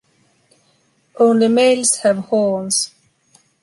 Only males have horns.